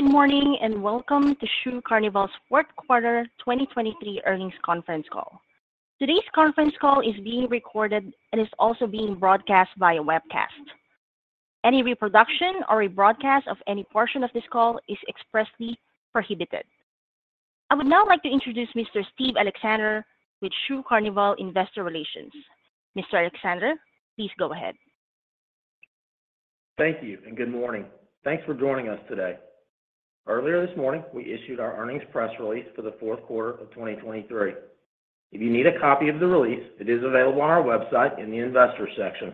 Good morning, and welcome to Shoe Carnival's fourth quarter 2023 earnings conference call. Today's conference call is being recorded and is also being broadcast via webcast. Any reproduction or rebroadcast of any portion of this call is expressly prohibited. I would now like to introduce Mr. Steve Alexander with Shoe Carnival Investor Relations. Mr. Alexander, please go ahead. Thank you, and good morning. Thanks for joining us today. Earlier this morning, we issued our earnings press release for the fourth quarter of 2023. If you need a copy of the release, it is available on our website in the investors section.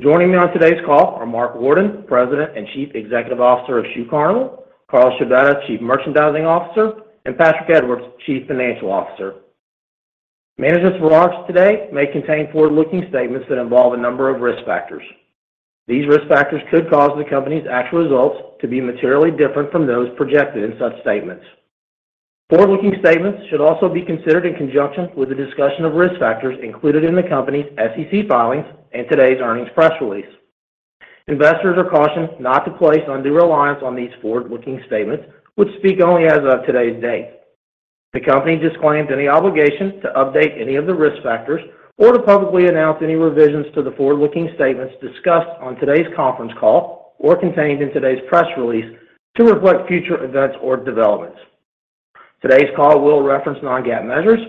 Joining me on today's call are Mark Worden, President and Chief Executive Officer of Shoe Carnival, Carl Scibetta, Chief Merchandising Officer, and Patrick Edwards, Chief Financial Officer. Management's remarks today may contain forward-looking statements that involve a number of risk factors. These risk factors could cause the company's actual results to be materially different from those projected in such statements. Forward-looking statements should also be considered in conjunction with a discussion of risk factors included in the company's SEC filings and today's earnings press release. Investors are cautioned not to place undue reliance on these forward-looking statements, which speak only as of today's date. The company disclaims any obligation to update any of the risk factors or to publicly announce any revisions to the forward-looking statements discussed on today's conference call or contained in today's press release to reflect future events or developments. Today's call will reference non-GAAP measures.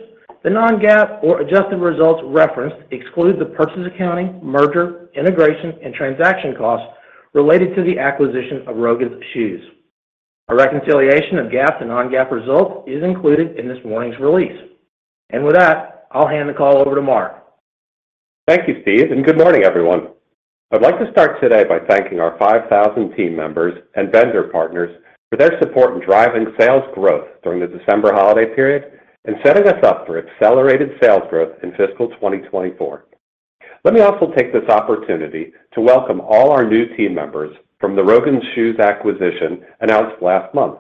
The non-GAAP or adjusted results referenced exclude the purchase, accounting, merger, integration, and transaction costs related to the acquisition of Rogan's Shoes. A reconciliation of GAAP to non-GAAP results is included in this morning's release. With that, I'll hand the call over to Mark. Thank you, Steve, and good morning, everyone. I'd like to start today by thanking our 5,000 team members and vendor partners for their support in driving sales growth during the December holiday period and setting us up for accelerated sales growth in fiscal 2024. Let me also take this opportunity to welcome all our new team members from the Rogan's Shoes acquisition announced last month.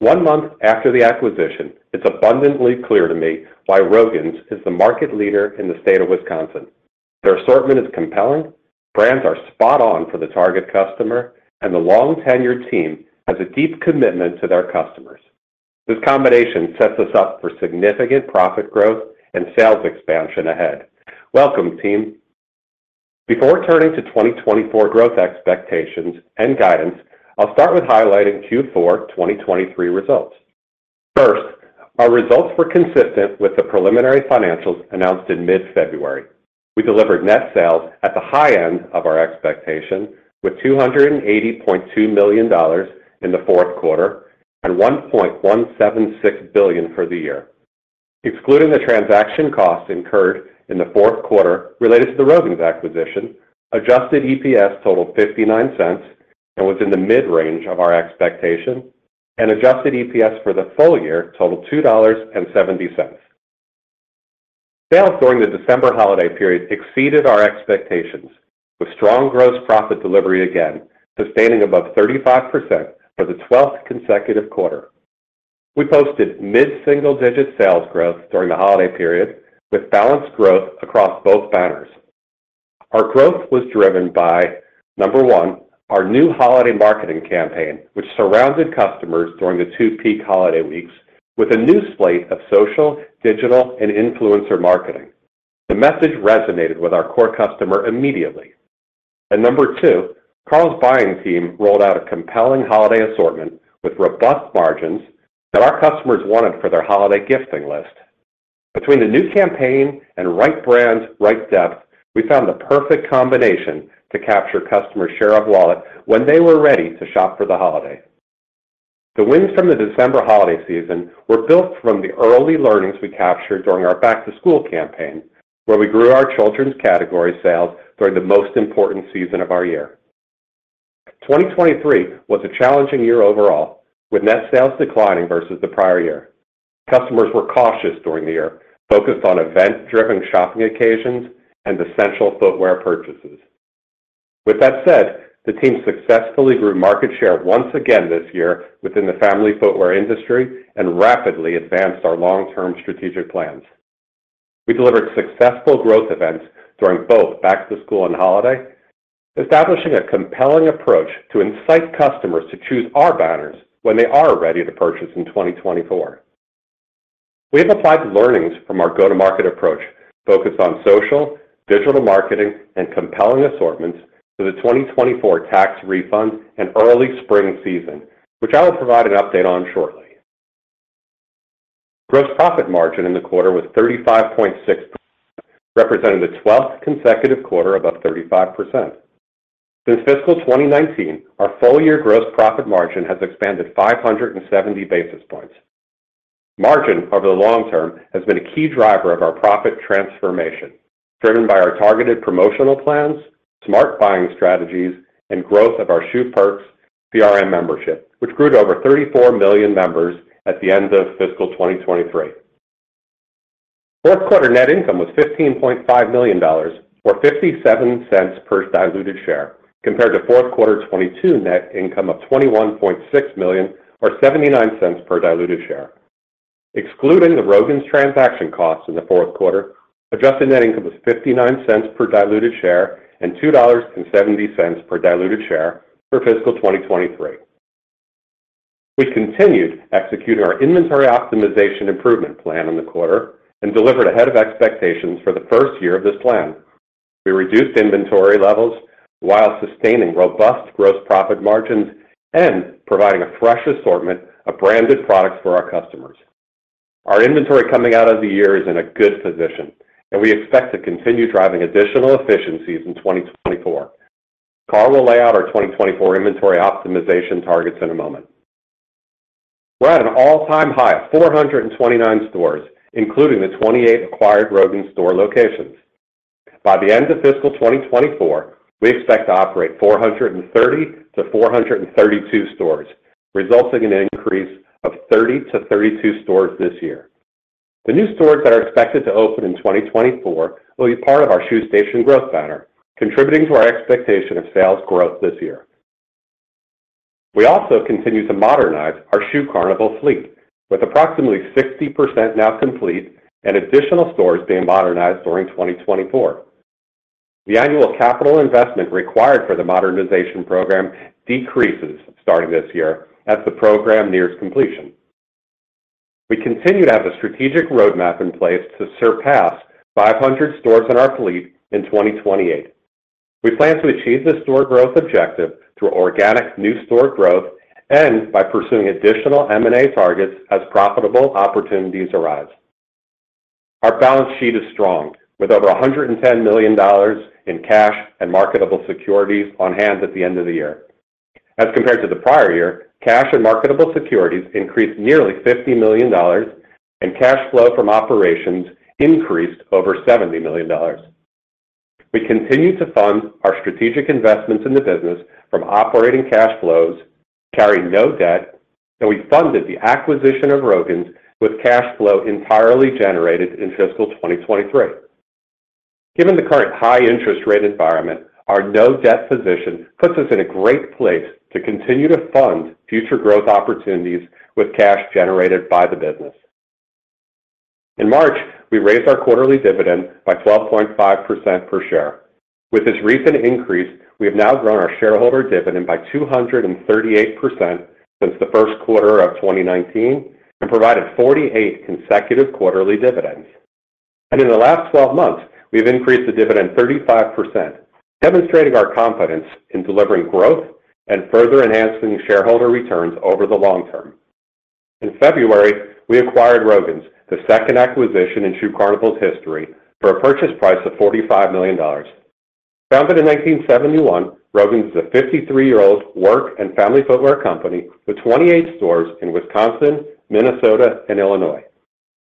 One month after the acquisition, it's abundantly clear to me why Rogan's is the market leader in the state of Wisconsin. Their assortment is compelling, brands are spot on for the target customer, and the long-tenured team has a deep commitment to their customers. This combination sets us up for significant profit growth and sales expansion ahead. Welcome, team. Before turning to 2024 growth expectations and guidance, I'll start with highlighting Q4 2023 results. First, our results were consistent with the preliminary financials announced in mid-February. We delivered net sales at the high end of our expectation, with $280.2 million in the fourth quarter and $1.176 billion for the year. Excluding the transaction costs incurred in the fourth quarter related to the Rogan's acquisition, Adjusted EPS totaled $0.59 and was in the mid-range of our expectation, and Adjusted EPS for the full year totaled $2.70. Sales during the December holiday period exceeded our expectations, with strong gross profit delivery again, sustaining above 35% for the 12th consecutive quarter. We posted mid-single-digit sales growth during the holiday period, with balanced growth across both banners. Our growth was driven by, number one, our new holiday marketing campaign, which surrounded customers during the two-peak holiday weeks with a new slate of social, digital, and influencer marketing. The message resonated with our core customer immediately. And number two, Carl's buying team rolled out a compelling holiday assortment with robust margins that our customers wanted for their holiday gifting list. Between the new campaign and right brands, right depth, we found the perfect combination to capture customer share of wallet when they were ready to shop for the holiday. The wins from the December holiday season were built from the early learnings we captured during our back-to-school campaign, where we grew our children's category sales during the most important season of our year. 2023 was a challenging year overall, with net sales declining versus the prior year. Customers were cautious during the year, focused on event-driven shopping occasions and essential footwear purchases. With that said, the team successfully grew market share once again this year within the family footwear industry and rapidly advanced our long-term strategic plans. We delivered successful growth events during both back-to-school and holiday, establishing a compelling approach to incite customers to choose our banners when they are ready to purchase in 2024. We have applied the learnings from our go-to-market approach, focused on social, digital marketing, and compelling assortments for the 2024 tax refund and early spring season, which I will provide an update on shortly. Gross profit margin in the quarter was 35.6%, representing the 12th consecutive quarter above 35%. Since fiscal 2019, our full-year gross profit margin has expanded 570 basis points. Margin over the long term has been a key driver of our profit transformation, driven by our targeted promotional plans, smart buying strategies, and growth of our SHOE PERKS CRM membership, which grew to over 34 million members at the end of fiscal 2023. Fourth quarter net income was $15.5 million, or $0.57 per diluted share, compared to fourth quarter 2022 net income of $21.6 million or $0.79 per diluted share. Excluding the Rogan's transaction costs in the fourth quarter, adjusted net income was $0.59 per diluted share and $2.70 per diluted share for fiscal 2023. We continued executing our inventory optimization improvement plan in the quarter and delivered ahead of expectations for the first year of this plan. We reduced inventory levels while sustaining robust gross profit margins and providing a fresh assortment of branded products for our customers. Our inventory coming out of the year is in a good position, and we expect to continue driving additional efficiencies in 2024. Carl will lay out our 2024 inventory optimization targets in a moment. We're at an all-time high of 429 stores, including the 28 acquired Rogan's store locations. By the end of fiscal 2024, we expect to operate 430-432 stores, resulting in an increase of 30-32 stores this year. The new stores that are expected to open in 2024 will be part of our Shoe Station growth banner, contributing to our expectation of sales growth this year. We also continue to modernize our Shoe Carnival fleet, with approximately 60% now complete and additional stores being modernized during 2024. The annual capital investment required for the modernization program decreases starting this year as the program nears completion. We continue to have a strategic roadmap in place to surpass 500 stores in our fleet in 2028. We plan to achieve this store growth objective through organic new store growth and by pursuing additional M&A targets as profitable opportunities arise. Our balance sheet is strong, with over $110 million in cash and marketable securities on hand at the end of the year. As compared to the prior year, cash and marketable securities increased nearly $50 million, and cash flow from operations increased over $70 million. We continue to fund our strategic investments in the business from operating cash flows, carry no debt, and we funded the acquisition of Rogan's with cash flow entirely generated in fiscal 2023. Given the current high interest rate environment, our no-debt position puts us in a great place to continue to fund future growth opportunities with cash generated by the business. In March, we raised our quarterly dividend by 12.5% per share. With this recent increase, we have now grown our shareholder dividend by 238% since the first quarter of 2019, and provided 48 consecutive quarterly dividends. In the last 12 months, we've increased the dividend 35%, demonstrating our confidence in delivering growth and further enhancing shareholder returns over the long term. In February, we acquired Rogan's, the second acquisition in Shoe Carnival's history, for a purchase price of $45 million. Founded in 1971, Rogan's is a 53-year-old work and family footwear company with 28 stores in Wisconsin, Minnesota, and Illinois.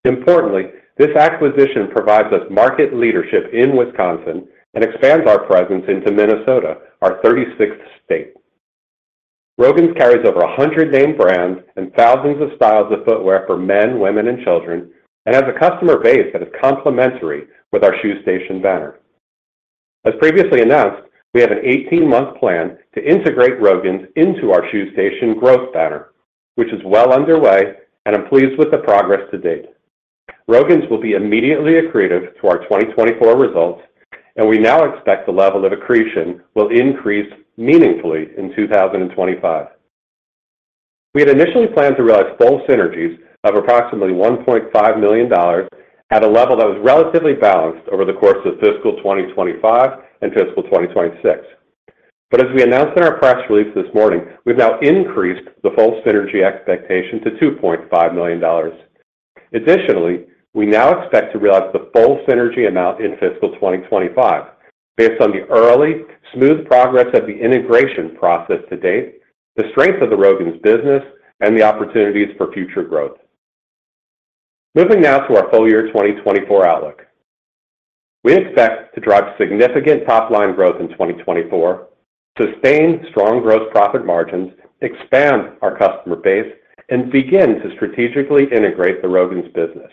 Importantly, this acquisition provides us market leadership in Wisconsin and expands our presence into Minnesota, our 36th state. Rogan's carries over 100 name brands and thousands of styles of footwear for men, women, and children, and has a customer base that is complementary with our Shoe Station banner. As previously announced, we have an 18-month plan to integrate Rogan's into our Shoe Station growth banner, which is well underway, and I'm pleased with the progress to date. Rogan's will be immediately accretive to our 2024 results, and we now expect the level of accretion will increase meaningfully in 2025. We had initially planned to realize full synergies of approximately $1.5 million at a level that was relatively balanced over the course of fiscal 2025 and fiscal 2026. But as we announced in our press release this morning, we've now increased the full synergy expectation to $2.5 million. Additionally, we now expect to realize the full synergy amount in fiscal 2025, based on the early smooth progress of the integration process to date, the strength of the Rogan's business, and the opportunities for future growth. Moving now to our full year 2024 outlook. We expect to drive significant top-line growth in 2024, sustain strong gross profit margins, expand our customer base, and begin to strategically integrate the Rogan's business.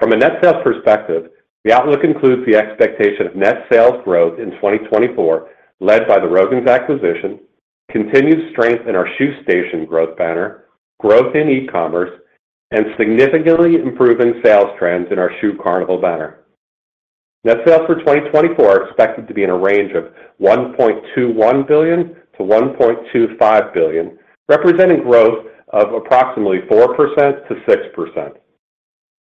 From a net sales perspective, the outlook includes the expectation of net sales growth in 2024, led by the Rogan's acquisition, continued strength in our Shoe Station growth banner, growth in e-commerce, and significantly improving sales trends in our Shoe Carnival banner. Net sales for 2024 are expected to be in a range of $1.21 billion-$1.25 billion, representing growth of approximately 4%-6%.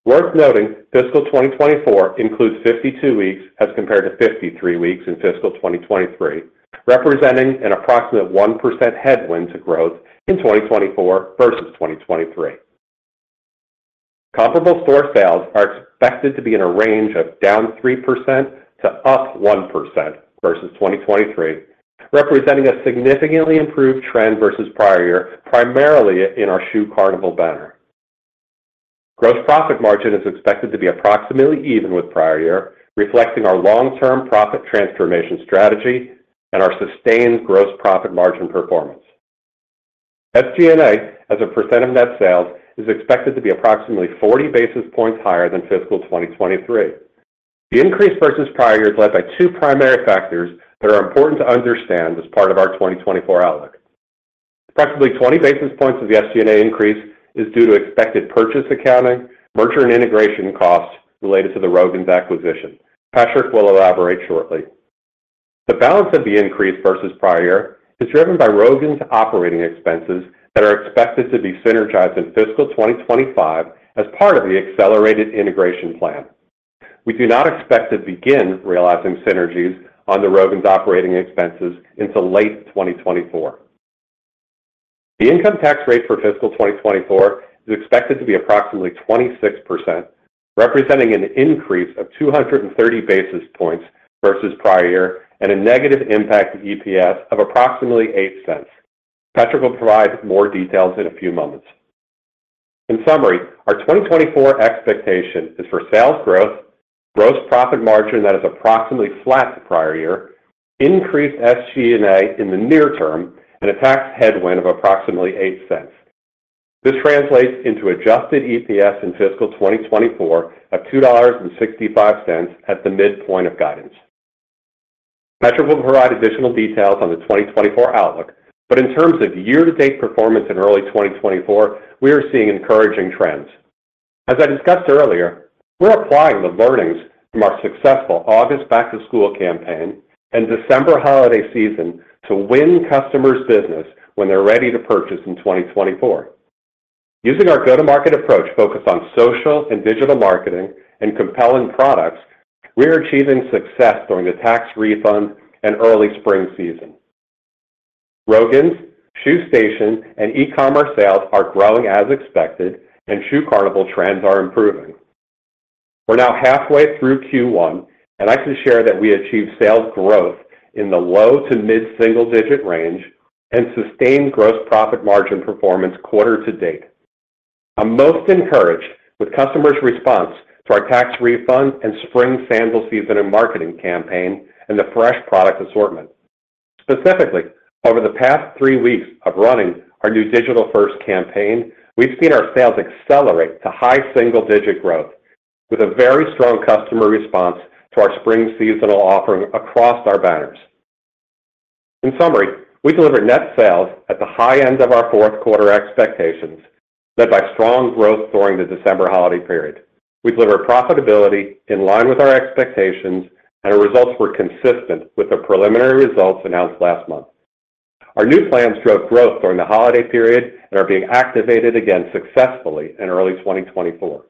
Worth noting, fiscal 2024 includes 52 weeks, as compared to 53 weeks in fiscal 2023, representing an approximate 1% headwind to growth in 2024 versus 2023. Comparable store sales are expected to be in a range of down 3% to up 1% versus 2023, representing a significantly improved trend versus prior year, primarily in our Shoe Carnival banner. Gross profit margin is expected to be approximately even with prior year, reflecting our long-term profit transformation strategy and our sustained gross profit margin performance. SG&A, as a percent of net sales, is expected to be approximately 40 basis points higher than fiscal 2023. The increase versus prior year is led by two primary factors that are important to understand as part of our 2024 outlook. Approximately 20 basis points of the SG&A increase is due to expected purchase accounting, merger, and integration costs related to the Rogan's acquisition. Patrick will elaborate shortly. The balance of the increase versus prior year is driven by Rogan's operating expenses that are expected to be synergized in fiscal 2025 as part of the accelerated integration plan. We do not expect to begin realizing synergies on the Rogan's operating expenses until late 2024. The income tax rate for fiscal 2024 is expected to be approximately 26%, representing an increase of 230 basis points versus prior year and a negative impact to EPS of approximately $0.08. Patrick will provide more details in a few moments. In summary, our 2024 expectation is for sales growth, gross profit margin that is approximately flat to prior year, increased SG&A in the near term, and a tax headwind of approximately $0.08. This translates into Adjusted EPS in fiscal 2024 of $2.65 at the midpoint of guidance. Patrick will provide additional details on the 2024 outlook, but in terms of year-to-date performance in early 2024, we are seeing encouraging trends. As I discussed earlier, we're applying the learnings from our successful August back-to-school campaign and December holiday season to win customers' business when they're ready to purchase in 2024. Using our go-to-market approach focused on social and digital marketing and compelling products, we are achieving success during the tax refund and early spring season. Rogan's, Shoe Station, and e-commerce sales are growing as expected, and Shoe Carnival trends are improving. We're now halfway through Q1, and I can share that we achieved sales growth in the low to mid-single-digit range and sustained gross profit margin performance quarter to date. I'm most encouraged with customers' response to our tax refund and spring sandal season and marketing campaign and the fresh product assortment. Specifically, over the past three weeks of running our new digital-first campaign, we've seen our sales accelerate to high single-digit growth, with a very strong customer response to our spring seasonal offering across our banners. In summary, we delivered net sales at the high end of our fourth quarter expectations, led by strong growth during the December holiday period. We delivered profitability in line with our expectations, and our results were consistent with the preliminary results announced last month. Our new plans drove growth during the holiday period and are being activated again successfully in early 2024.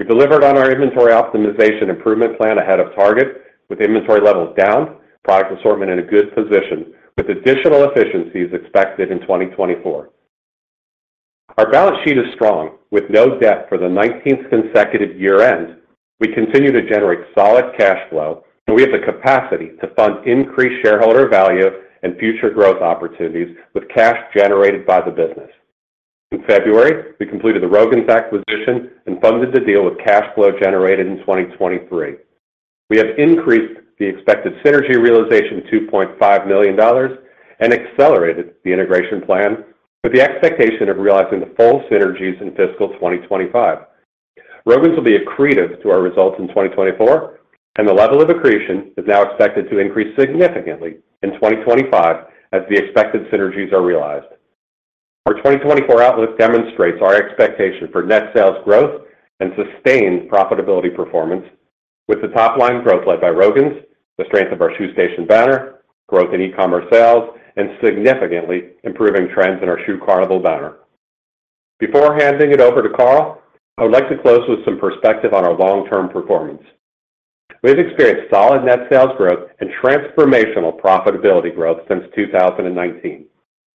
We delivered on our inventory optimization improvement plan ahead of target, with inventory levels down, product assortment in a good position, with additional efficiencies expected in 2024. Our balance sheet is strong, with no debt for the 19th consecutive year-end. We continue to generate solid cash flow, and we have the capacity to fund increased shareholder value and future growth opportunities with cash generated by the business. In February, we completed the Rogan's acquisition and funded the deal with cash flow generated in 2023. We have increased the expected synergy realization to $2.5 million and accelerated the integration plan with the expectation of realizing the full synergies in fiscal 2025. Rogan's will be accretive to our results in 2024, and the level of accretion is now expected to increase significantly in 2025 as the expected synergies are realized. Our 2024 outlook demonstrates our expectation for net sales growth and sustained profitability performance, with the top-line growth led by Rogan's, the strength of our Shoe Station banner, growth in e-commerce sales, and significantly improving trends in our Shoe Carnival banner. Before handing it over to Carl, I would like to close with some perspective on our long-term performance. We've experienced solid net sales growth and transformational profitability growth since 2019,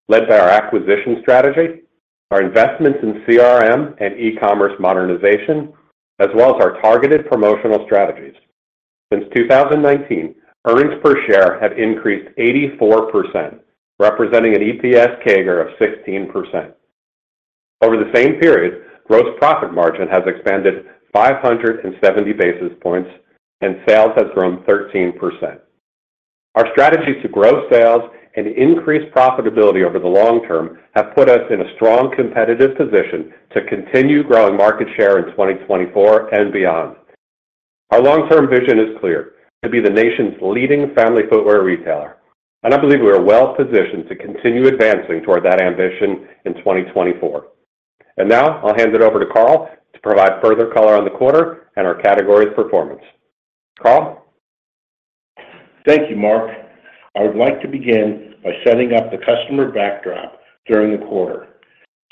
led by our acquisition strategy, our investments in CRM and e-commerce modernization, as well as our targeted promotional strategies. Since 2019, earnings per share have increased 84%, representing an EPS CAGR of 16%. Over the same period, gross profit margin has expanded 570 basis points, and sales have grown 13%. Our strategies to grow sales and increase profitability over the long term have put us in a strong competitive position to continue growing market share in 2024 and beyond. Our long-term vision is clear: to be the nation's leading family footwear retailer. I believe we are well positioned to continue advancing toward that ambition in 2024. Now I'll hand it over to Carl to provide further color on the quarter and our categories performance. Carl? Thank you, Mark. I would like to begin by setting up the customer backdrop during the quarter.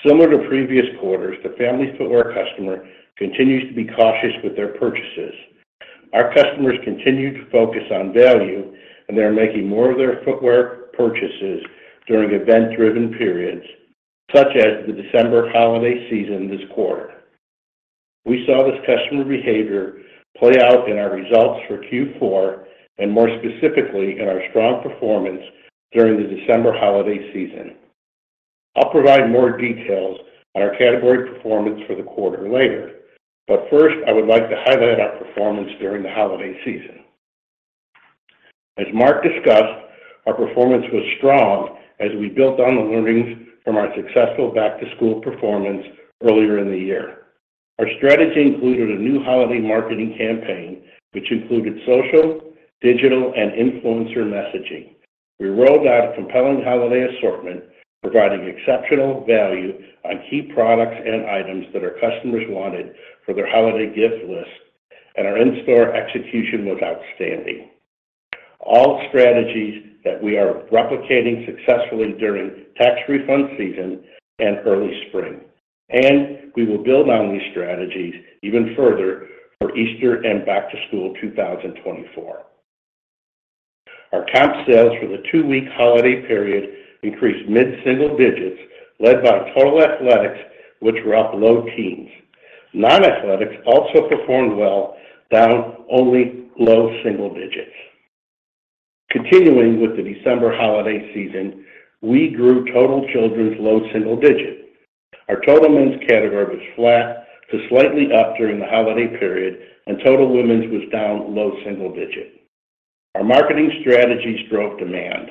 Similar to previous quarters, the family footwear customer continues to be cautious with their purchases. Our customers continue to focus on value, and they are making more of their footwear purchases during event-driven periods, such as the December holiday season this quarter. We saw this customer behavior play out in our results for Q4 and, more specifically, in our strong performance during the December holiday season. I'll provide more details on our category performance for the quarter later, but first, I would like to highlight our performance during the holiday season. As Mark discussed, our performance was strong as we built on the learnings from our successful back-to-school performance earlier in the year. Our strategy included a new holiday marketing campaign, which included social, digital, and influencer messaging. We rolled out a compelling holiday assortment, providing exceptional value on key products and items that our customers wanted for their holiday gift list, and our in-store execution was outstanding. All strategies that we are replicating successfully during tax refund season and early spring, and we will build on these strategies even further for Easter and back-to-school 2024. Our comp sales for the two-week holiday period increased mid-single digits, led by total athletics, which were up low teens. Non-athletics also performed well, down only low single digits. Continuing with the December holiday season, we grew total children's low single digits. Our total men's category was flat to slightly up during the holiday period, and total women's was down low single digit. Our marketing strategies drove demand.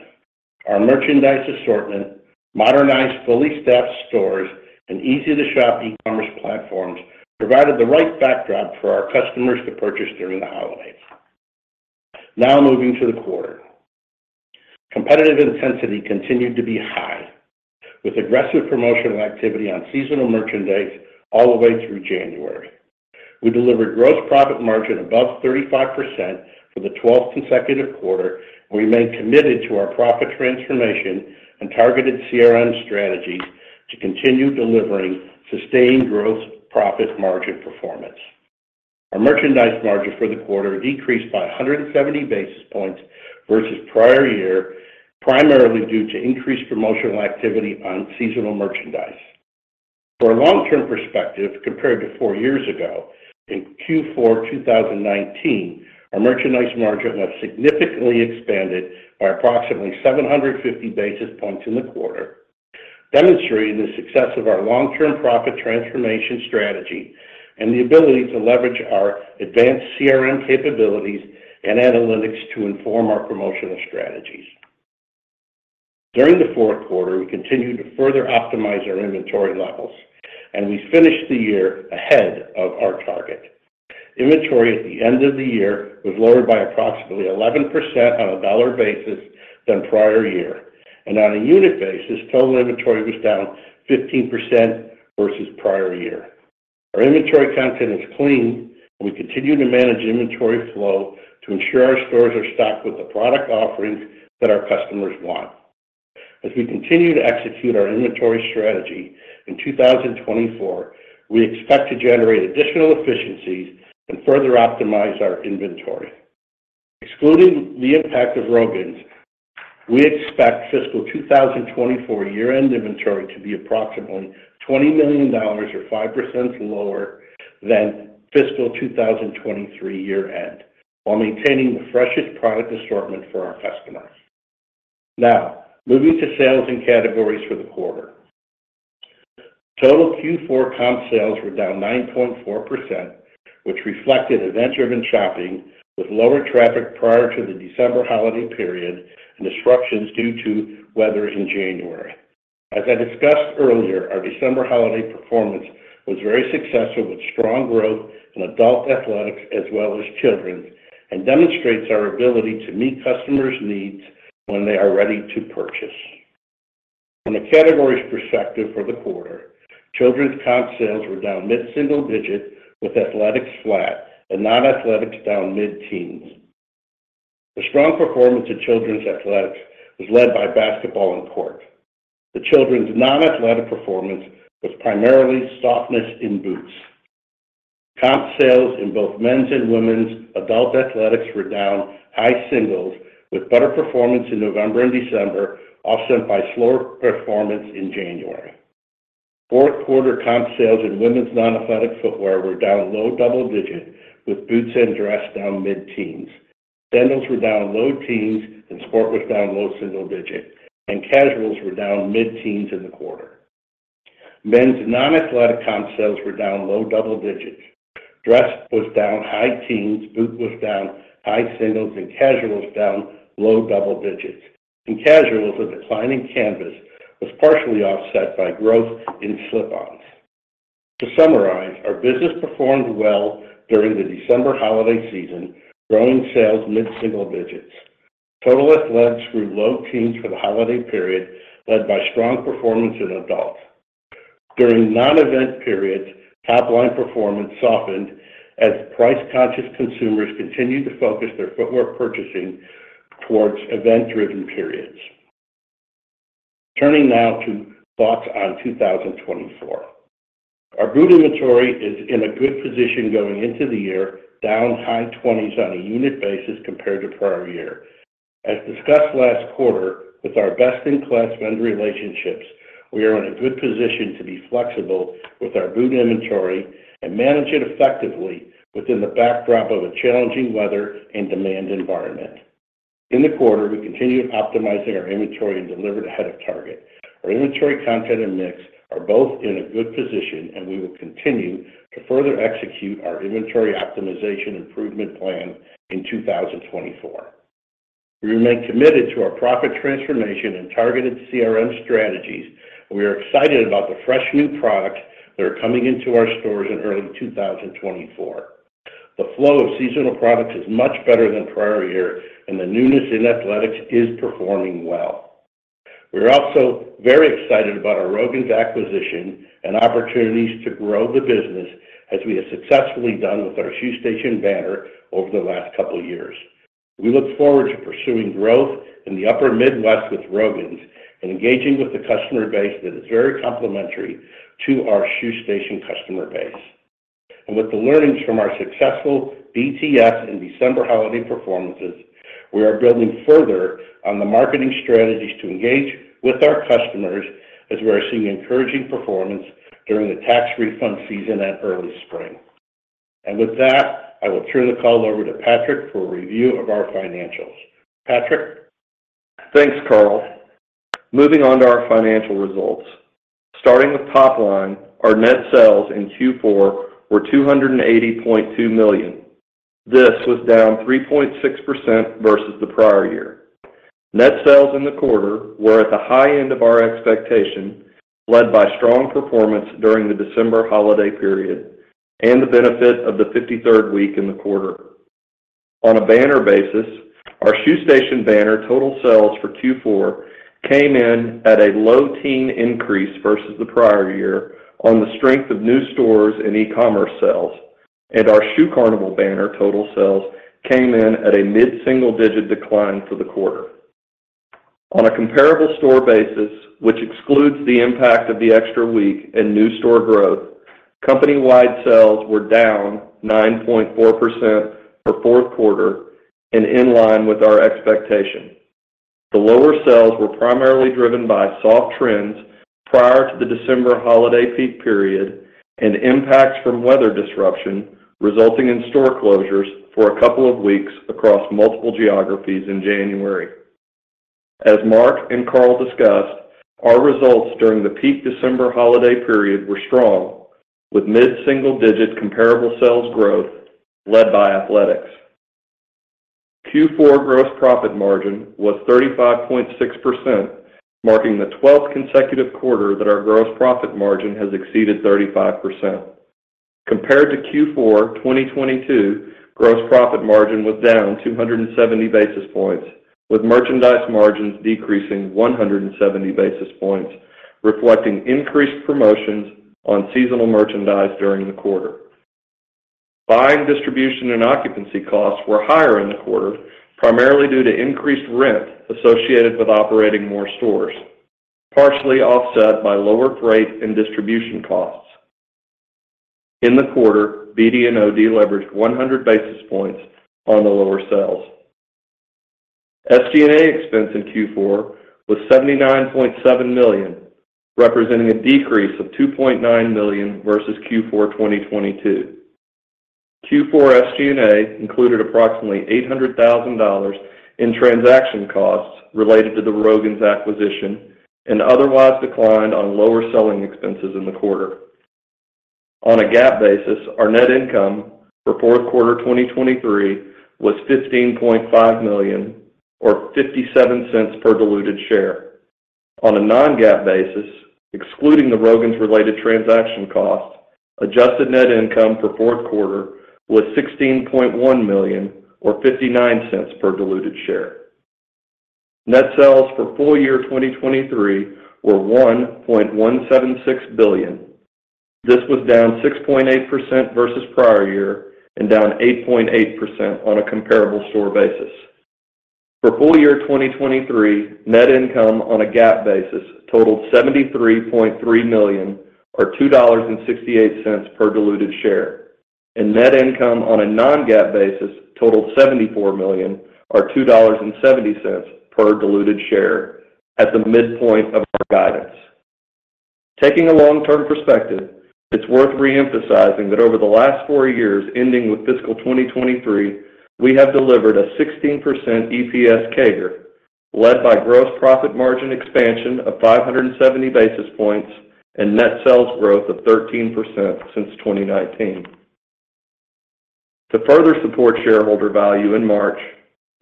Our merchandise assortment, modernized, fully staffed stores, and easy-to-shop e-commerce platforms provided the right backdrop for our customers to purchase during the holidays. Now moving to the quarter. Competitive intensity continued to be high, with aggressive promotional activity on seasonal merchandise all the way through January. We delivered gross profit margin above 35% for the 12th consecutive quarter. We remain committed to our profit transformation and targeted CRM strategies to continue delivering sustained growth, profit, margin performance. Our merchandise margin for the quarter decreased by 170 basis points versus prior year, primarily due to increased promotional activity on seasonal merchandise. For a long-term perspective, compared to four years ago, in Q4 2019, our merchandise margin has significantly expanded by approximately 750 basis points in the quarter, demonstrating the success of our long-term profit transformation strategy and the ability to leverage our advanced CRM capabilities and analytics to inform our promotional strategies. During the fourth quarter, we continued to further optimize our inventory levels, and we finished the year ahead of our target. Inventory at the end of the year was lower by approximately 11% on a dollar basis than prior year, and on a unit basis, total inventory was down 15% versus prior year. Our inventory content is clean, and we continue to manage inventory flow to ensure our stores are stocked with the product offerings that our customers want. As we continue to execute our inventory strategy in 2024, we expect to generate additional efficiencies and further optimize our inventory. Excluding the impact of Rogan's, we expect fiscal 2024 year-end inventory to be approximately $20 million or 5% lower than fiscal 2023 year-end, while maintaining the freshest product assortment for our customers. Now, moving to sales and categories for the quarter. Total Q4 comp sales were down 9.4%, which reflected event-driven shopping with lower traffic prior to the December holiday period and disruptions due to weather in January. As I discussed earlier, our December holiday performance was very successful, with strong growth in adult athletics as well as children's, and demonstrates our ability to meet customers' needs when they are ready to purchase. From a categories perspective for the quarter, children's comp sales were down mid-single digits, with athletics flat and non-athletics down mid-teens. The strong performance of children's athletics was led by basketball and court. The children's non-athletic performance was primarily softness in boots. Comp sales in both men's and women's adult athletics were down high singles, with better performance in November and December, offset by slower performance in January. Fourth quarter comp sales in women's non-athletic footwear were down low double digits, with boots and dress down mid-teens. Sandals were down low teens, and sport was down low single digits, and casuals were down mid-teens in the quarter. Men's non-athletic comp sales were down low double digits. Dress was down high teens, boots was down high singles, and casuals down low double digits. And casuals, a declining canvas, was partially offset by growth in slip-ons. To summarize, our business performed well during the December holiday season, growing sales mid-single digits. Total athletics grew low teens for the holiday period, led by strong performance in adults. During non-event periods, top-line performance softened as price-conscious consumers continued to focus their footwear purchasing towards event-driven periods. Turning now to thoughts on 2024. Our boot inventory is in a good position going into the year, down high twenties on a unit basis compared to prior year. As discussed last quarter, with our best-in-class vendor relationships, we are in a good position to be flexible with our boot inventory and manage it effectively within the backdrop of a challenging weather and demand environment. In the quarter, we continued optimizing our inventory and delivered ahead of target. Our inventory content and mix are both in a good position, and we will continue to further execute our inventory optimization improvement plan in 2024. We remain committed to our profit transformation and targeted CRM strategies, and we are excited about the fresh new products that are coming into our stores in early 2024. The flow of seasonal products is much better than prior year, and the newness in athletics is performing well. We're also very excited about our Rogan's acquisition and opportunities to grow the business, as we have successfully done with our Shoe Station banner over the last couple of years. We look forward to pursuing growth in the Upper Midwest with Rogan's and engaging with the customer base that is very complementary to our Shoe Station customer base. With the learnings from our successful BTS and December holiday performances, we are building further on the marketing strategies to engage with our customers as we are seeing encouraging performance during the tax refund season and early spring. With that, I will turn the call over to Patrick for a review of our financials. Patrick? Thanks, Carl. Moving on to our financial results. Starting with top line, our net sales in Q4 were $280.2 million. This was down 3.6% versus the prior year. Net sales in the quarter were at the high end of our expectation, led by strong performance during the December holiday period and the benefit of the 53rd week in the quarter. On a banner basis, our Shoe Station banner total sales for Q4 came in at a low-teens increase versus the prior year on the strength of new stores and e-commerce sales, and our Shoe Carnival banner total sales came in at a mid-single-digit decline for the quarter. On a comparable store basis, which excludes the impact of the extra week and new store growth, company-wide sales were down 9.4% for fourth quarter and in line with our expectations. The lower sales were primarily driven by soft trends prior to the December holiday peak period and impacts from weather disruption, resulting in store closures for a couple of weeks across multiple geographies in January. As Mark and Carl discussed, our results during the peak December holiday period were strong, with mid-single-digit comparable sales growth led by athletics. Q4 gross profit margin was 35.6%, marking the 12th consecutive quarter that our gross profit margin has exceeded 35%. Compared to Q4 2022, gross profit margin was down 270 basis points, with merchandise margins decreasing 170 basis points, reflecting increased promotions on seasonal merchandise during the quarter. Buying, distribution, and occupancy costs were higher in the quarter, primarily due to increased rent associated with operating more stores, partially offset by lower freight and distribution costs. In the quarter, BD&O deleveraged 100 basis points on the lower sales. SG&A expense in Q4 was $79.7 million, representing a decrease of $2.9 million versus Q4 2022. Q4 SG&A included approximately $800,000 in transaction costs related to the Rogan's acquisition and otherwise declined on lower selling expenses in the quarter. On a GAAP basis, our net income for fourth quarter 2023 was $15.5 million or $0.57 per diluted share. On a non-GAAP basis, excluding the Rogan's-related transaction costs, adjusted net income for fourth quarter was $16.1 million or $0.59 per diluted share. Net sales for full year 2023 were $1.176 billion. This was down 6.8% versus prior year and down 8.8% on a comparable store basis. For full year 2023, net income on a GAAP basis totaled $73.3 million or $2.68 per diluted share, and net income on a non-GAAP basis totaled $74 million or $2.70 per diluted share at the midpoint of our guidance. Taking a long-term perspective, it's worth re-emphasizing that over the last four years, ending with fiscal 2023, we have delivered a 16% EPS CAGR, led by gross profit margin expansion of 570 basis points and net sales growth of 13% since 2019. To further support shareholder value in March,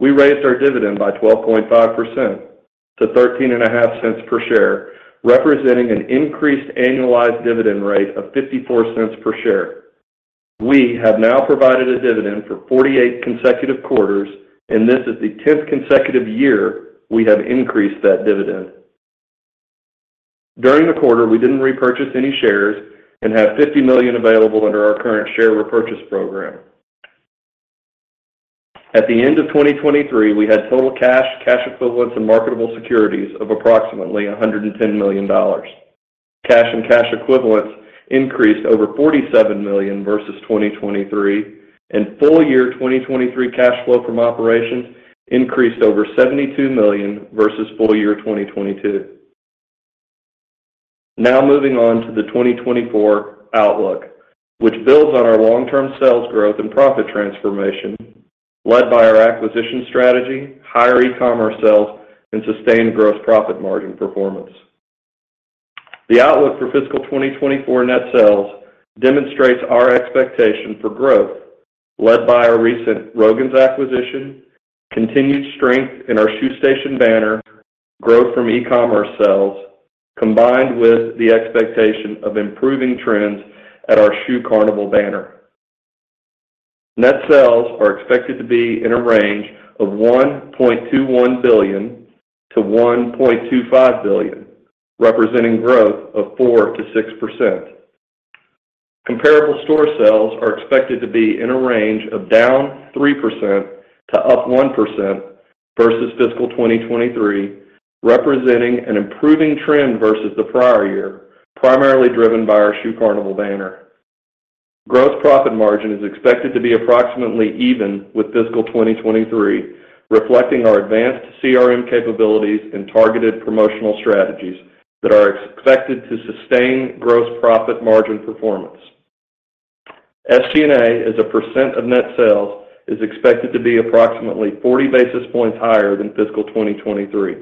we raised our dividend by 12.5% to $0.135 per share, representing an increased annualized dividend rate of $0.54 per share. We have now provided a dividend for 48 consecutive quarters, and this is the 10th consecutive year we have increased that dividend. During the quarter, we didn't repurchase any shares and have $50 million available under our current share repurchase program. At the end of 2023, we had total cash, cash equivalents, and marketable securities of approximately $110 million. Cash and cash equivalents increased over $47 million versus 2023, and full year 2023 cash flow from operations increased over $72 million versus full year 2022. Now moving on to the 2024 outlook, which builds on our long-term sales growth and profit transformation, led by our acquisition strategy, higher e-commerce sales, and sustained gross profit margin performance. The outlook for fiscal 2024 net sales demonstrates our expectation for growth, led by our recent Rogan's acquisition, continued strength in our Shoe Station banner, growth from e-commerce sales, combined with the expectation of improving trends at our Shoe Carnival banner. Net sales are expected to be in a range of $1.21 billion-$1.25 billion, representing growth of 4%-6%. Comparable store sales are expected to be in a range of down 3% to up 1% versus fiscal 2023, representing an improving trend versus the prior year, primarily driven by our Shoe Carnival banner. Gross profit margin is expected to be approximately even with fiscal 2023, reflecting our advanced CRM capabilities and targeted promotional strategies that are expected to sustain gross profit margin performance. SG&A, as a percnt of net sales, is expected to be approximately 40 basis points higher than fiscal 2023.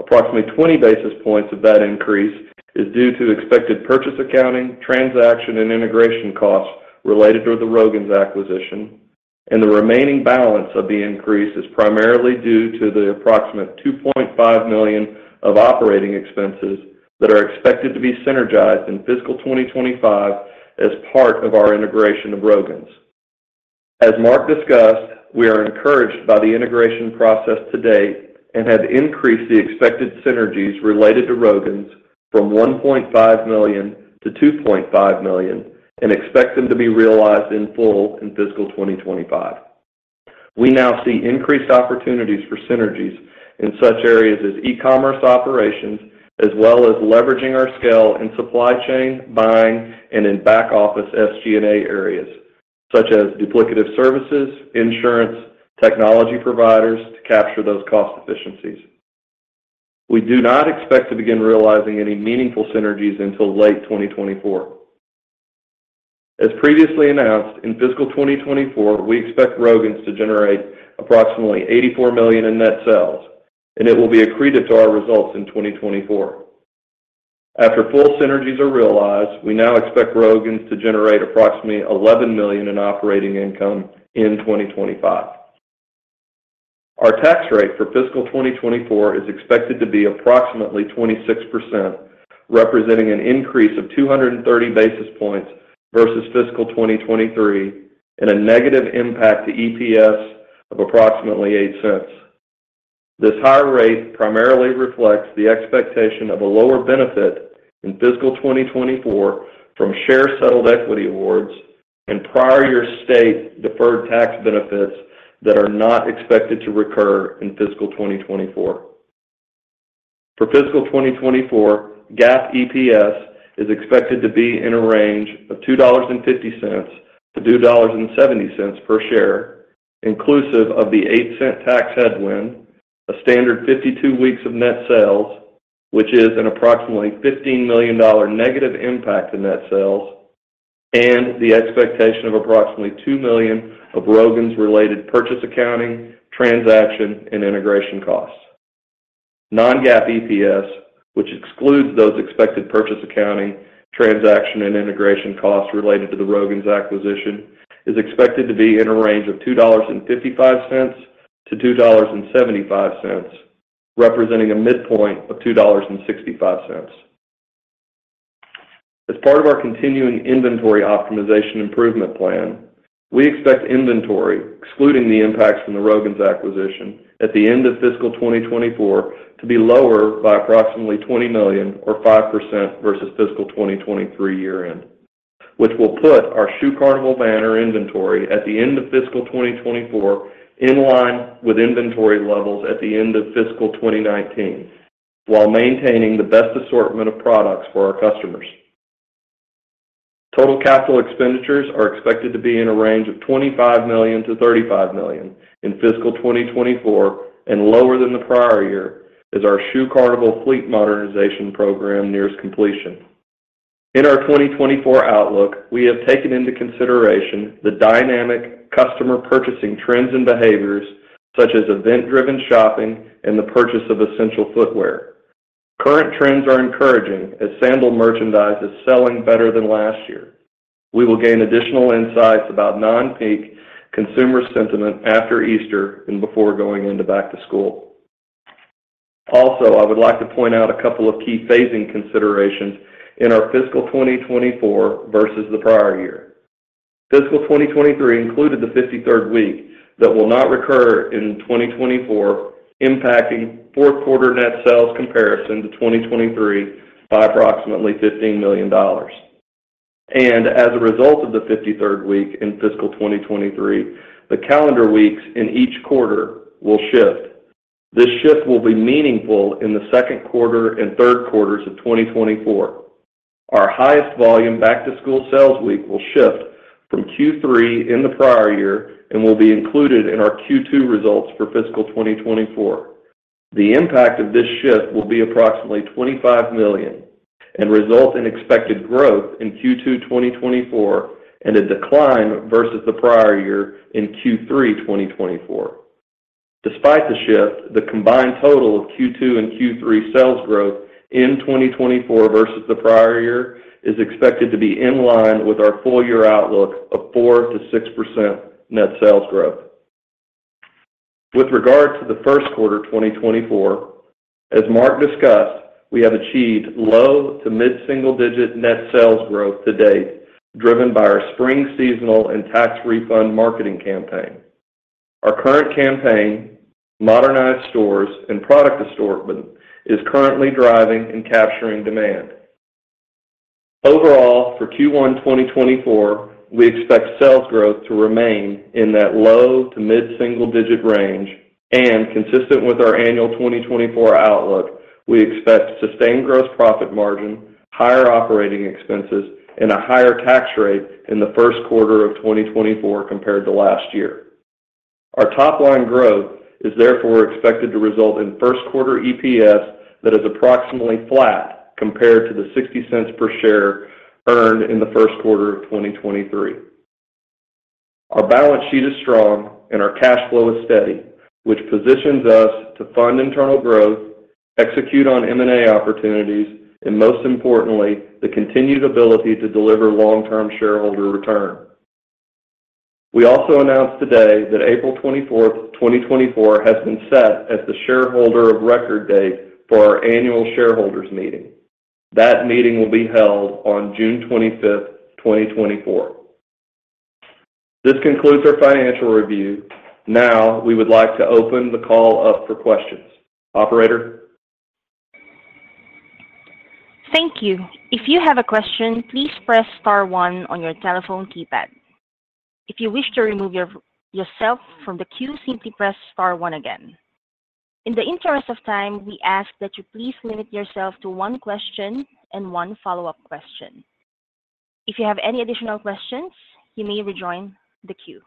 Approximately 20 basis points of that increase is due to expected purchase, accounting, transaction, and integration costs related to the Rogan's acquisition, and the remaining balance of the increase is primarily due to the approximate $2.5 million of operating expenses that are expected to be synergized in fiscal 2025 as part of our integration of Rogan's. As Mark discussed, we are encouraged by the integration process to date and have increased the expected synergies related to Rogan's from $1.5 million to $2.5 million and expect them to be realized in full in fiscal 2025. We now see increased opportunities for synergies in such areas as e-commerce operations, as well as leveraging our scale in supply chain, buying, and in back-office SG&A areas, such as duplicative services, insurance, technology providers to capture those cost efficiencies. We do not expect to begin realizing any meaningful synergies until late 2024. As previously announced, in fiscal 2024, we expect Rogan's to generate approximately $84 million in net sales, and it will be accreted to our results in 2024. After full synergies are realized, we now expect Rogan's to generate approximately $11 million in operating income in 2025. Our tax rate for fiscal 2024 is expected to be approximately 26%, representing an increase of 230 basis points versus fiscal 2023 and a negative impact to EPS of approximately $0.08. This higher rate primarily reflects the expectation of a lower benefit in fiscal 2024 from share settled equity awards and prior year state deferred tax benefits that are not expected to recur in fiscal 2024. For fiscal 2024, GAAP EPS is expected to be in a range of $2.50-$2.70 per share, inclusive of the $0.08 tax headwind, a standard 52 weeks of net sales, which is an approximately $15 million negative impact to net sales, and the expectation of approximately $2 million of Rogan's-related purchase, accounting, transaction, and integration costs. Non-GAAP EPS, which excludes those expected purchase, accounting, transaction, and integration costs related to the Rogan's acquisition, is expected to be in a range of $2.55-$2.75, representing a midpoint of $2.65. As part of our continuing inventory optimization improvement plan, we expect inventory, excluding the impacts from the Rogan's acquisition, at the end of fiscal 2024 to be lower by approximately $20 million or 5% versus fiscal 2023 year-end, which will put our Shoe Carnival banner inventory at the end of fiscal 2024 in line with inventory levels at the end of fiscal 2019, while maintaining the best assortment of products for our customers. Total capital expenditures are expected to be in a range of $25 million-$35 million in fiscal 2024 and lower than the prior year as our Shoe Carnival fleet modernization program nears completion. In our 2024 outlook, we have taken into consideration the dynamic customer purchasing trends and behaviors such as event-driven shopping and the purchase of essential footwear. Current trends are encouraging as sandal merchandise is selling better than last year. We will gain additional insights about non-peak consumer sentiment after Easter and before going into back-to-school. Also, I would like to point out a couple of key phasing considerations in our fiscal 2024 versus the prior year. Fiscal 2023 included the 53rd week that will not recur in 2024, impacting fourth quarter net sales comparison to 2023 by approximately $15 million. As a result of the 53rd week in fiscal 2023, the calendar weeks in each quarter will shift. This shift will be meaningful in the second quarter and third quarters of 2024. Our highest volume back-to-school sales week will shift from Q3 in the prior year and will be included in our Q2 results for fiscal 2024. The impact of this shift will be approximately $25 million and result in expected growth in Q2 2024 and a decline versus the prior year in Q3 2024. Despite the shift, the combined total of Q2 and Q3 sales growth in 2024 versus the prior year is expected to be in line with our full year outlook of 4%-6% net sales growth. With regard to the first quarter 2024, as Mark discussed, we have achieved low to mid-single-digit net sales growth to date, driven by our spring seasonal and tax refund marketing campaign. Our current campaign, modernized stores, and product assortment is currently driving and capturing demand. Overall, for Q1 2024, we expect sales growth to remain in that low to mid-single-digit range. Consistent with our annual 2024 outlook, we expect sustained gross profit margin, higher operating expenses, and a higher tax rate in the first quarter of 2024 compared to last year. Our top-line growth is therefore expected to result in first quarter EPS that is approximately flat compared to the $0.60 per share earned in the first quarter of 2023. Our balance sheet is strong and our cash flow is steady, which positions us to fund internal growth, execute on M&A opportunities, and most importantly, the continued ability to deliver long-term shareholder return. We also announced today that April 24th, 2024, has been set as the shareholder of record date for our annual shareholders meeting. That meeting will be held on June 25th, 2024. This concludes our financial review. Now, we would like to open the call up for questions. Operator? Thank you. If you have a question, please press star one on your telephone keypad. If you wish to remove yourself from the queue, simply press star one again. In the interest of time, we ask that you please limit yourself to one question and one follow-up question. If you have any additional questions, you may rejoin the queue.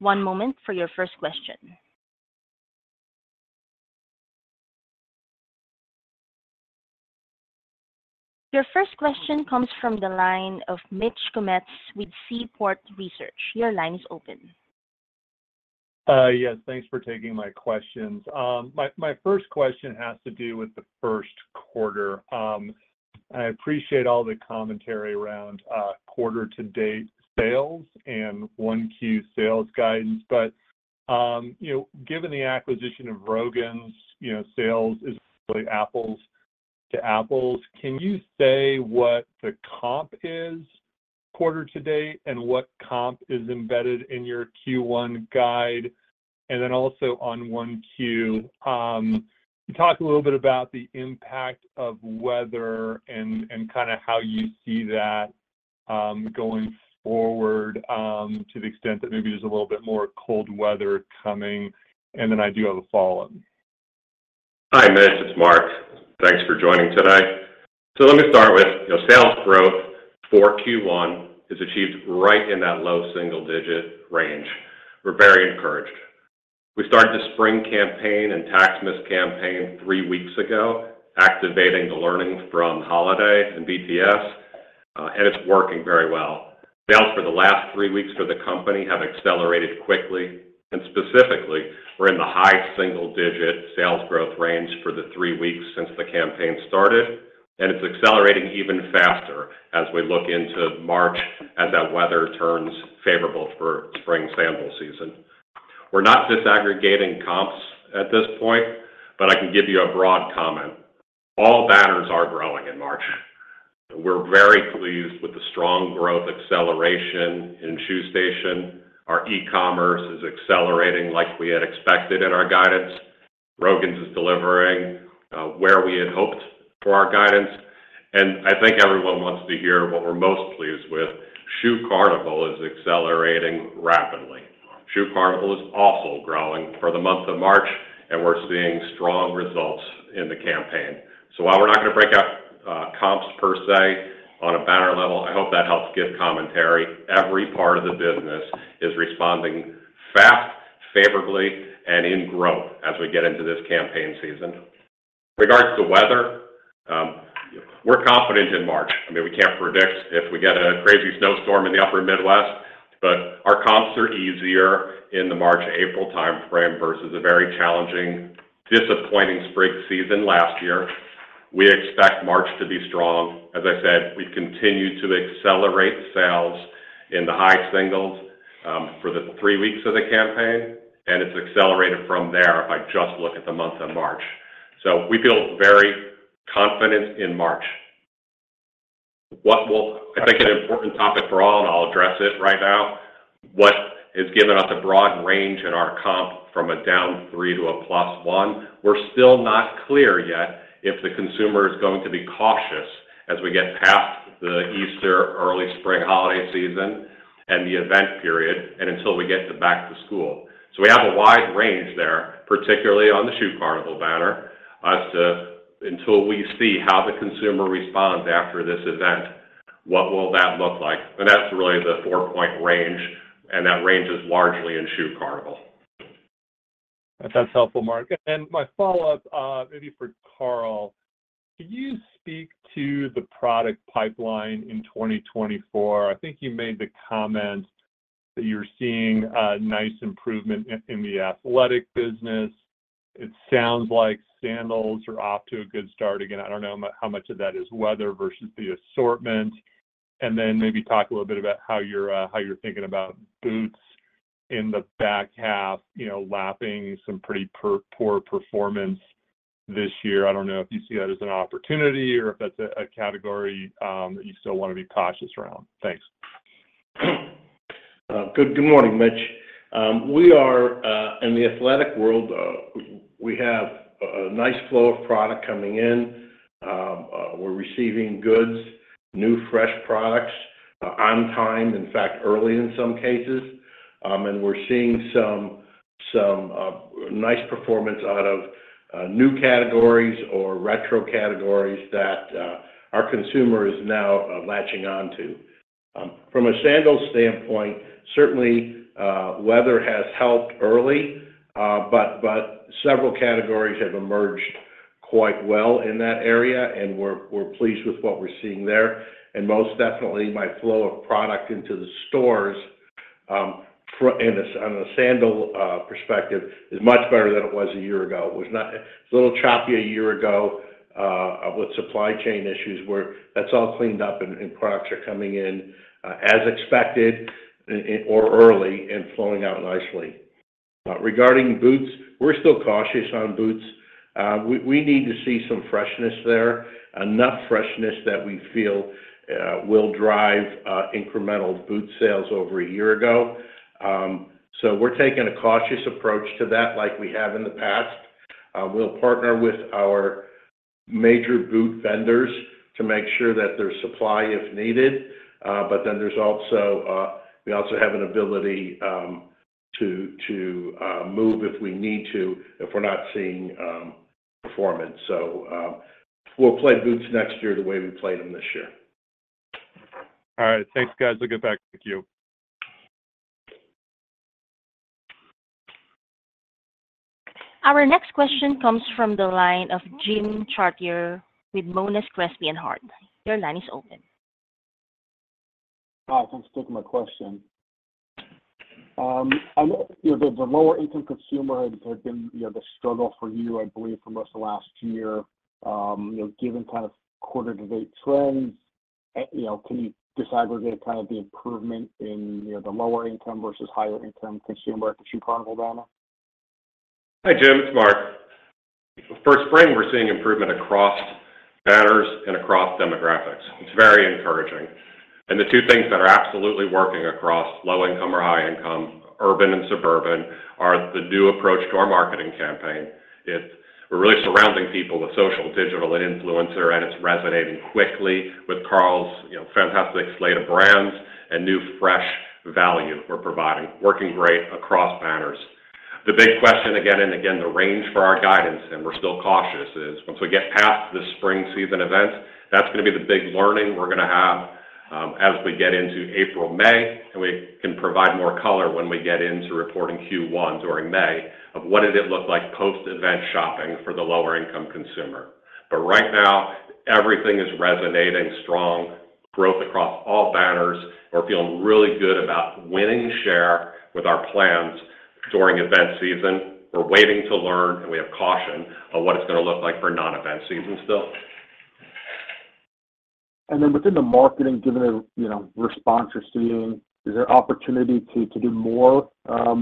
One moment for your first question. Your first question comes from the line of Mitch Kummetz with Seaport Research. Your line is open. Yes, thanks for taking my questions. My first question has to do with the first quarter. I appreciate all the commentary around quarter-to-date sales and 1Q sales guidance, but you know, given the acquisition of Rogan's, you know, sales is apples to apples, can you say what the comp is quarter to date, and what comp is embedded in your Q1 guide? And then also on 1Q, talk a little bit about the impact of weather and kind of how you see that going forward, to the extent that maybe there's a little bit more cold weather coming. And then I do have a follow-up. Hi, Mitch, it's Mark. Thanks for joining today. So let me start with, you know, sales growth for Q1 is achieved right in that low single-digit range. We're very encouraged. We started the spring campaign and taxless campaign three weeks ago, activating the learnings from holiday and BTS, and it's working very well. Sales for the last three weeks for the company have accelerated quickly, and specifically, we're in the high single-digit sales growth range for the three weeks since the campaign started, and it's accelerating even faster as we look into March as that weather turns favorable for spring sandal season. We're not disaggregating comps at this point, but I can give you a broad comment. All banners are growing in March. We're very pleased with the strong growth acceleration in Shoe Station. Our e-commerce is accelerating like we had expected in our guidance. Rogan's is delivering where we had hoped for our guidance, and I think everyone wants to hear what we're most pleased with. Shoe Carnival is accelerating rapidly. Shoe Carnival is also growing for the month of March, and we're seeing strong results in the campaign. So while we're not going to break out comps per se, on a banner level, I hope that helps give commentary. Every part of the business is responding fast, favorably, and in growth as we get into this campaign season. In regards to weather, we're confident in March. I mean, we can't predict if we get a crazy snowstorm in the upper Midwest, but our comps are easier in the March-April timeframe versus a very challenging, disappointing spring season last year. We expect March to be strong. As I said, we continue to accelerate sales in the high singles for the three weeks of the campaign, and it's accelerated from there if I just look at the month of March. So we feel very confident in March. What will... I think an important topic for all, and I'll address it right now, what has given us a broad range in our comp from down 3% to +1%? We're still not clear yet if the consumer is going to be cautious as we get past the Easter early spring holiday season and the event period, and until we get to back-to-school. So we have a wide range there, particularly on the Shoe Carnival banner, as to until we see how the consumer responds after this event, what will that look like? That's really the 4-point range, and that range is largely in Shoe Carnival. That's helpful, Mark. And my follow-up, maybe for Carl. Could you speak to the product pipeline in 2024? I think you made the comment that you're seeing a nice improvement in the athletic business. It sounds like sandals are off to a good start again. I don't know how much of that is weather versus the assortment. And then maybe talk a little bit about how you're thinking about boots in the back half, you know, lapping some pretty poor performance this year. I don't know if you see that as an opportunity or if that's a category that you still wanna be cautious around. Thanks. Good morning, Mitch. We are in the athletic world. We have a nice flow of product coming in. We're receiving goods, new, fresh products, on time, in fact, early in some cases. And we're seeing some nice performance out of new categories or retro categories that our consumer is now latching onto. From a sandals standpoint, certainly, weather has helped early, but several categories have emerged quite well in that area, and we're pleased with what we're seeing there. And most definitely, my flow of product into the stores on a sandal perspective is much better than it was a year ago. It was a little choppy a year ago with supply chain issues where that's all cleaned up and products are coming in as expected, on or early and flowing out nicely. Regarding boots, we're still cautious on boots. We need to see some freshness there, enough freshness that we feel will drive incremental boot sales over a year ago. So we're taking a cautious approach to that like we have in the past. We'll partner with our major boot vendors to make sure that there's supply if needed. But then there's also we also have an ability to move if we need to, if we're not seeing performance. So we'll play boots next year the way we played them this year. All right. Thanks, guys. We'll get back to you. Our next question comes from the line of Jim Chartier with Monness, Crespi, Hardt. Your line is open. Hi, thanks for taking my question. I know, you know, the lower-income consumer had been, you know, the struggle for you, I believe, for most of last year. You know, given kind of quarter-to-date trends, you know, can you disaggregate kind of the improvement in, you know, the lower income versus higher income consumer at the Shoe Carnival? Hi, Jim, it's Mark. For spring, we're seeing improvement across banners and across demographics. It's very encouraging. And the two things that are absolutely working across low income or high income, urban and suburban, are the new approach to our marketing campaign. It's... We're really surrounding people with social, digital and influencer, and it's resonating quickly with Carl's, you know, fantastic slate of brands and new, fresh value we're providing, working great across banners. The big question again and again, the range for our guidance, and we're still cautious, is once we get past the spring season events, that's gonna be the big learning we're gonna have, as we get into April, May. And we can provide more color when we get into reporting Q1 during May of what did it look like post-event shopping for the lower-income consumer. But right now, everything is resonating strong, growth across all banners. We're feeling really good about winning share with our plans during event season. We're waiting to learn, and we have caution on what it's gonna look like for non-event seasons still. And then within the marketing, given the, you know, response you're seeing, is there opportunity to do more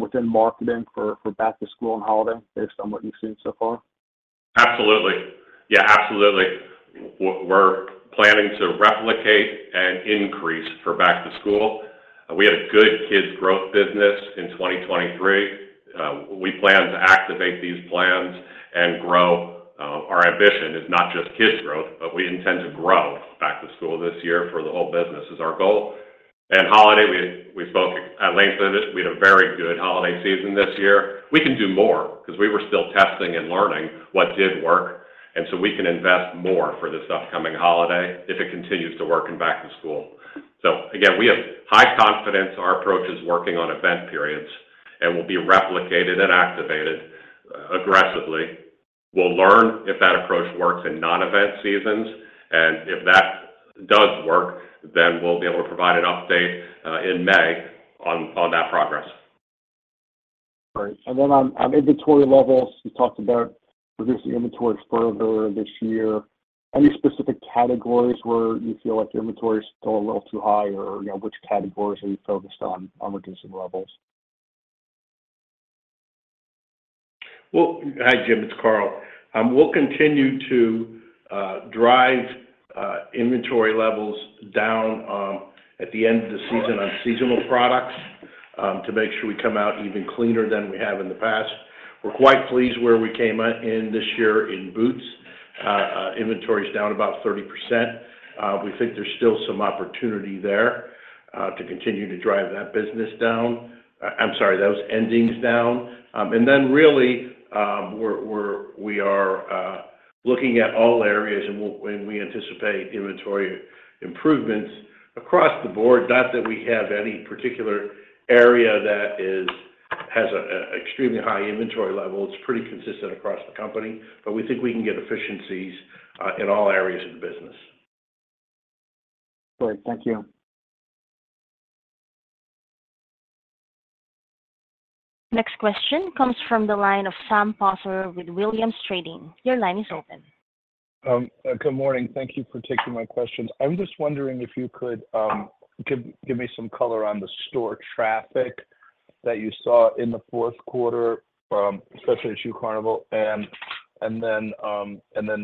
within marketing for back-to-school and holiday based on what you've seen so far? Absolutely. Yeah, absolutely. We're planning to replicate and increase for back-to-school. We had a good kids' growth business in 2023. We plan to activate these plans and grow. Our ambition is not just kids' growth, but we intend to grow back-to-school this year for the whole business is our goal. And holiday, we spoke at length of it. We had a very good holiday season this year. We can do more 'cause we were still testing and learning what did work, and so we can invest more for this upcoming holiday if it continues to work in back-to-school. So again, we have high confidence our approach is working on event periods and will be replicated and activated aggressively. We'll learn if that approach works in non-event seasons, and if that does work, then we'll be able to provide an update, in May on, on that progress. Great. And then on, on inventory levels, you talked about reducing inventory further this year. Any specific categories where you feel like the inventory is still a little too high, or, you know, which categories are you focused on, on reducing levels? Well, hi, Jim, it's Carl. We'll continue to drive inventory levels down at the end of the season on seasonal products to make sure we come out even cleaner than we have in the past. We're quite pleased where we came out in this year in boots. Inventory is down about 30%. We think there's still some opportunity there to continue to drive that business down. I'm sorry, those endings down. And then really, we are looking at all areas, and we anticipate inventory improvements across the board, not that we have any particular area that has an extremely high inventory level. It's pretty consistent across the company, but we think we can get efficiencies in all areas of the business. Great. Thank you. Next question comes from the line of Sam Poser with Williams Trading. Your line is open. Good morning. Thank you for taking my questions. I'm just wondering if you could give me some color on the store traffic that you saw in the fourth quarter, especially at Shoe Carnival. And then,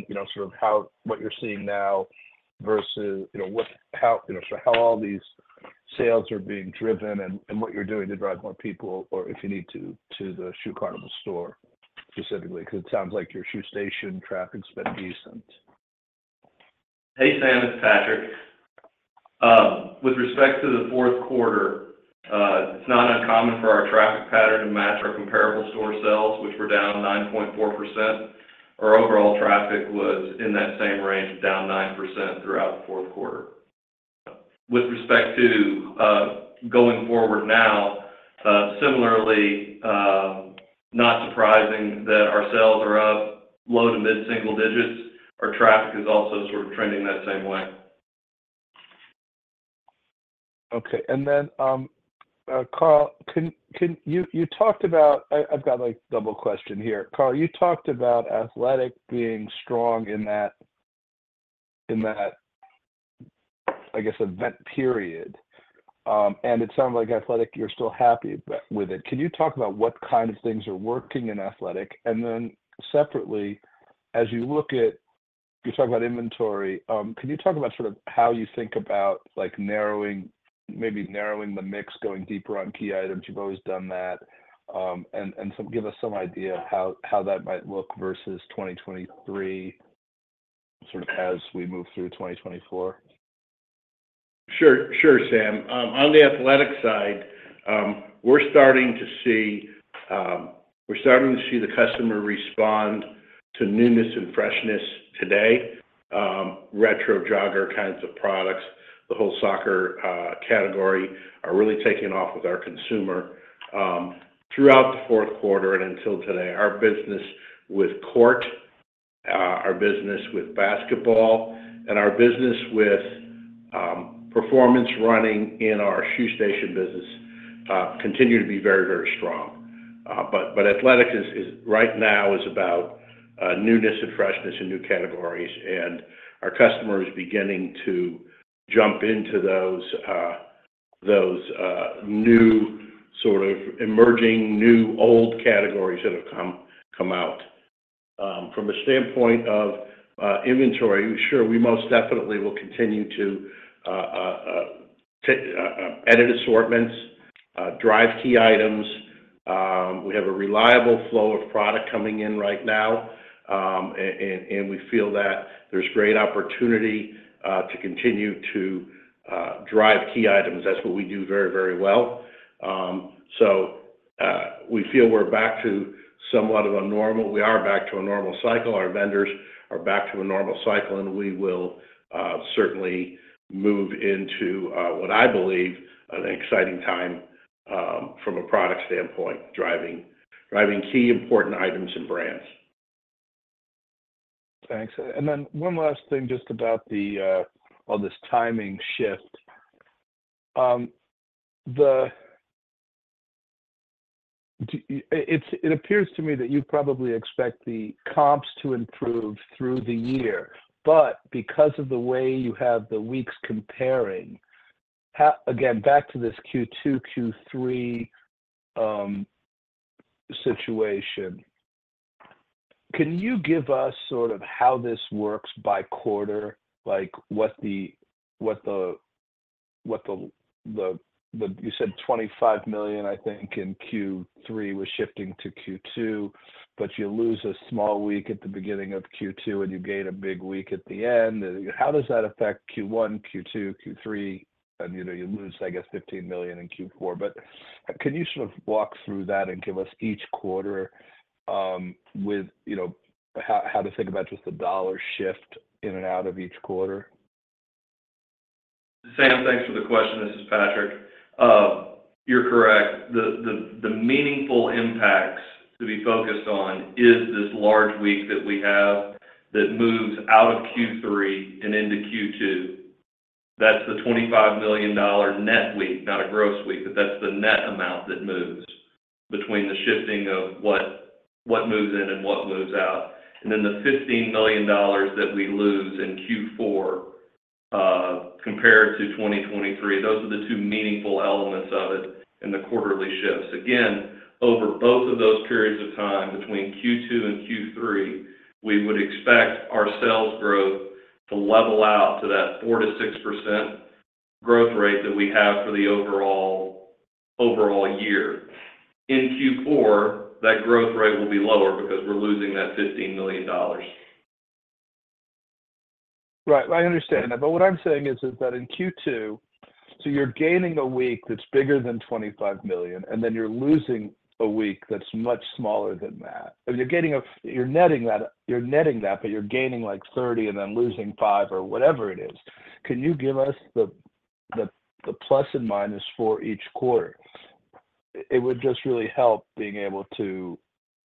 you know, sort of how—what you're seeing now versus, you know, what, how, you know, so how all these sales are being driven and what you're doing to drive more people, or if you need to, to the Shoe Carnival store specifically, because it sounds like your Shoe Station traffic's been decent. Hey, Sam, it's Patrick. With respect to the fourth quarter, it's not uncommon for our traffic pattern to match our comparable store sales, which were down 9.4%. Our overall traffic was in that same range, down 9% throughout the fourth quarter. With respect to going forward now, similarly, not surprising that our sales are up low to mid single digits. Our traffic is also sort of trending that same way. Okay. And then, Carl, you talked about... I've got, like, a double question here. Carl, you talked about athletic being strong in that, I guess, event period. And it sounds like athletic, you're still happy with it. Can you talk about what kind of things are working in athletic? And then separately, as you look at, you talk about inventory, can you talk about sort of how you think about, like, narrowing the mix, going deeper on key items? You've always done that. And so give us some idea of how that might look versus 2023, sort of, as we move through 2024. Sure, sure, Sam. On the athletic side, we're starting to see the customer respond to newness and freshness today. Retro jogger kinds of products, the whole soccer category are really taking off with our consumer. Throughout the fourth quarter and until today, our business with court, our business with basketball, and our business with performance running in our Shoe Station business continue to be very, very strong. But athletics is right now about newness and freshness and new categories, and our customer is beginning to jump into those new, sort of, emerging new, old categories that have come out. From a standpoint of inventory, sure, we most definitely will continue to take edit assortments, drive key items. We have a reliable flow of product coming in right now, and we feel that there's great opportunity to continue to drive key items. That's what we do very, very well. So, we feel we're back to a normal cycle. Our vendors are back to a normal cycle, and we will certainly move into what I believe an exciting time from a product standpoint, driving key important items and brands. Thanks. And then one last thing, just about the on this timing shift. It appears to me that you probably expect the comps to improve through the year, but because of the way you have the weeks comparing, how again, back to this Q2, Q3 situation, can you give us sort of how this works by quarter? Like, what the You said $25 million, I think, in Q3 was shifting to Q2, but you lose a small week at the beginning of Q2, and you gain a big week at the end. How does that affect Q1, Q2, Q3? And, you know, you lose, I guess, $15 million in Q4. Can you sort of walk through that and give us each quarter with, you know, how to think about just the dollar shift in and out of each quarter? Sam, thanks for the question. This is Patrick. You're correct. The meaningful impacts to be focused on is this large week that we have that moves out of Q3 and into Q2. That's the $25 million net week, not a gross week, but that's the net amount that moves between the shifting of what moves in and what moves out. And then the $15 million that we lose in Q4, compared to 2023, those are the two meaningful elements of it in the quarterly shifts. Again, over both of those periods of time, between Q2 and Q3, we would expect our sales growth to level out to that 4%-6% growth rate that we have for the overall, overall year. In Q4, that growth rate will be lower because we're losing that $15 million. Right. I understand that, but what I'm saying is that in Q2, so you're gaining a week that's bigger than $25 million, and then you're losing a week that's much smaller than that. You're gaining a-- you're netting that, you're netting that, but you're gaining, like, $30 million and then losing $5 million or whatever it is. Can you give us the plus and minus for each quarter. It would just really help being able to-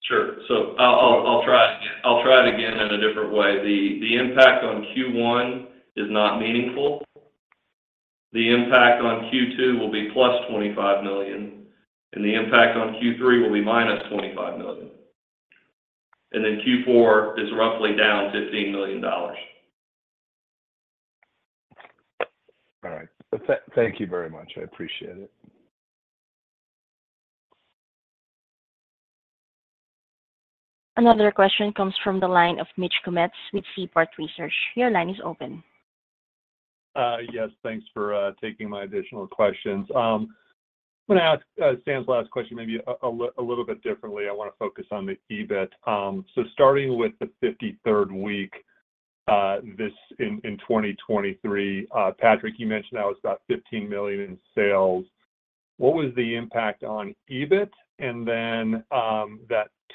Sure. So I'll try it again. I'll try it again in a different way. The impact on Q1 is not meaningful. The impact on Q2 will be +$25 million, and the impact on Q3 will be -$25 million. And then Q4 is roughly down $15 million. All right. Thank you very much. I appreciate it. Another question comes from the line of Mitch Kummetz with Seaport Research. Your line is open. Yes, thanks for taking my additional questions. I'm gonna ask Sam's last question, maybe a little bit differently. I wanna focus on the EBIT. So starting with the 53rd week, this in 2023, Patrick, you mentioned that was about $15 million in sales. What was the impact on EBIT? And then,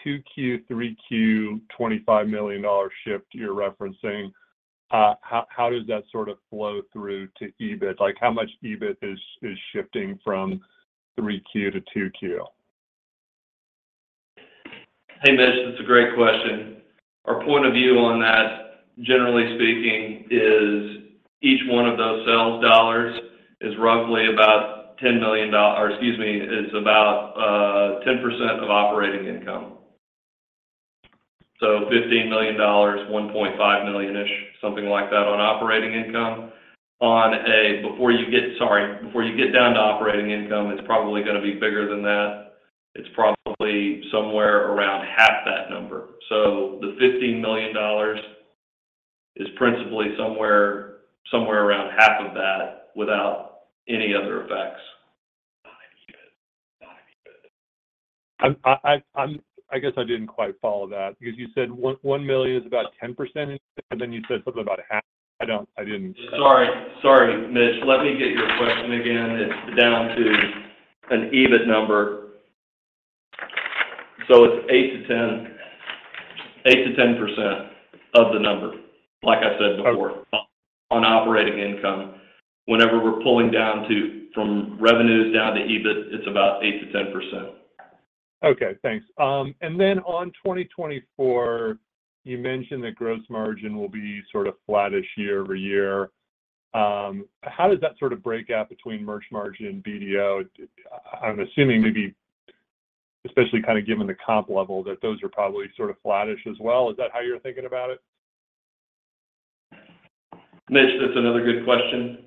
that 2Q, 3Q, $25 million shift you're referencing, how does that sort of flow through to EBIT? Like, how much EBIT is shifting from 3Q to 2Q? Hey, Mitch, it's a great question. Our point of view on that, generally speaking, is each one of those sales dollars is roughly about $10 million, or excuse me, is about 10% of operating income. So $15 million, $1.5 million-ish, something like that, on operating income. Before you get-- Sorry, before you get down to operating income, it's probably gonna be bigger than that. It's probably somewhere around half that number. So the $15 million is principally somewhere, somewhere around half of that without any other effects. I guess I didn't quite follow that because you said $1 million is about 10%, and then you said something about half. I don't... I didn't- Sorry. Sorry, Mitch. Let me get your question again. It's down to an EBIT number, so it's 8%-10%, 8%-10% of the number, like I said before, on operating income. Whenever we're pulling down to, from revenues down to EBIT, it's about 8%-10%. Okay, thanks. And then on 2024, you mentioned that gross margin will be sort of flattish year-over-year. How does that sort of break out between merch margin and BD&O? I'm assuming maybe, especially kinda given the comp level, that those are probably sort of flattish as well. Is that how you're thinking about it? Mitch, that's another good question.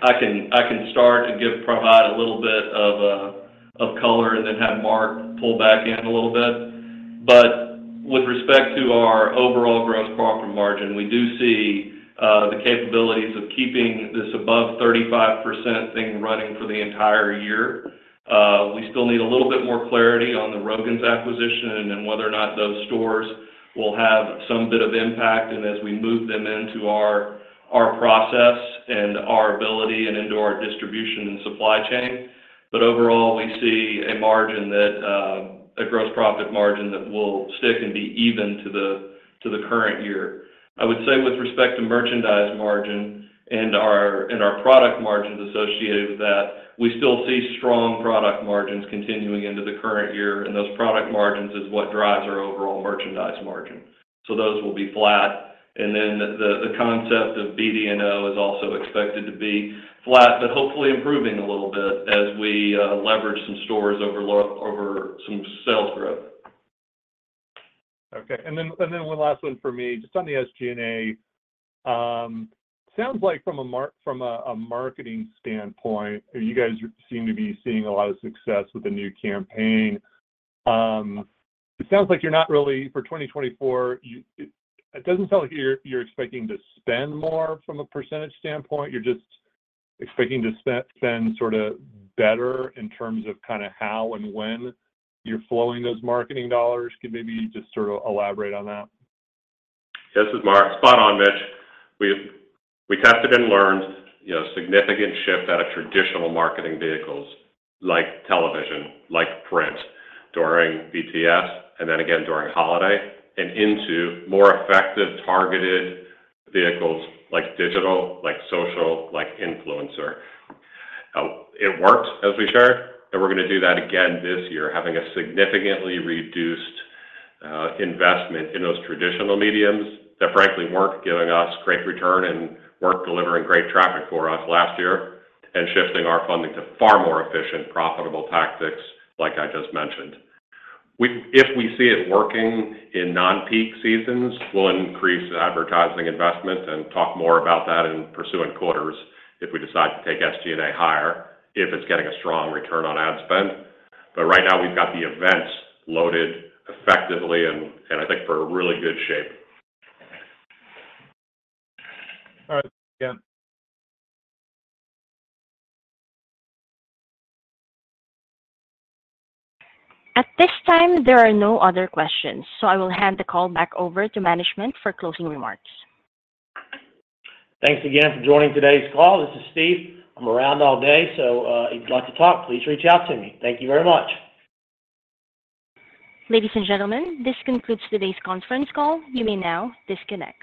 I can start and provide a little bit of color and then have Mark pull back in a little bit. But with respect to our overall gross profit margin, we do see the capabilities of keeping this above 35% thing running for the entire year. We still need a little bit more clarity on the Rogan's acquisition and whether or not those stores will have some bit of impact, and as we move them into our process and our ability and into our distribution and supply chain. But overall, we see a margin that a gross profit margin that will stick and be even to the current year. I would say with respect to merchandise margin and our, and our product margins associated with that, we still see strong product margins continuing into the current year, and those product margins is what drives our overall merchandise margin, so those will be flat. And then the, the concept of BD&O is also expected to be flat, but hopefully improving a little bit as we, leverage some stores over over some sales growth. Okay. And then one last one for me. Just on the SG&A, sounds like from a marketing standpoint, you guys seem to be seeing a lot of success with the new campaign. It sounds like you're not really... For 2024, it doesn't sound like you're expecting to spend more from a percentage standpoint. You're just expecting to spend sorta better in terms of kinda how and when you're flowing those marketing dollars. Could maybe you just sort of elaborate on that? This is Mark. Spot on, Mitch. We tested and learned, you know, significant shift out of traditional marketing vehicles like television, like print, during BTS and then again during holiday, and into more effective, targeted vehicles like digital, like social, like influencer. It worked as we shared, and we're gonna do that again this year, having a significantly reduced investment in those traditional mediums that frankly weren't giving us great return and weren't delivering great traffic for us last year, and shifting our funding to far more efficient, profitable tactics like I just mentioned. If we see it working in non-peak seasons, we'll increase the advertising investment and talk more about that in future quarters if we decide to take SG&A higher, if it's getting a strong return on ad spend. Right now we've got the events loaded effectively and I think we're in really good shape. All right. Thank you. At this time, there are no other questions, so I will hand the call back over to management for closing remarks. Thanks again for joining today's call. This is Steve. I'm around all day, so, if you'd like to talk, please reach out to me. Thank you very much. Ladies and gentlemen, this concludes today's conference call. You may now disconnect.